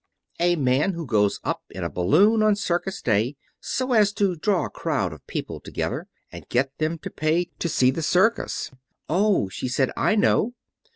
"A man who goes up in a balloon on circus day, so as to draw a crowd of people together and get them to pay to see the circus," he explained. "Oh," she said, "I know."